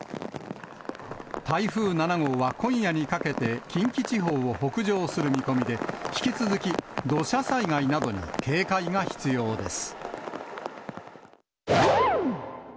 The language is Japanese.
台風７号は今夜にかけて、近畿地方を北上する見込みで、引き続き、土砂災害などに警戒が必要です。